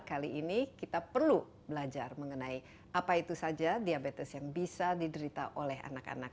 kali ini kita perlu belajar mengenai apa itu saja diabetes yang bisa diderita oleh anak anak